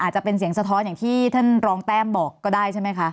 จะเป็นเสียงสะท้อนอย่างที่ท่านรองแต้มบอกก็ได้ใช่ไหมคะ